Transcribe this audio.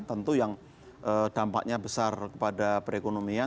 tentu yang dampaknya besar kepada perekonomian